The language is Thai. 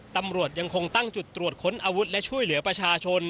ตำรวจยังคงตั้งจุดตรวจค้นอาวุธและช่วยเหลือประชาชน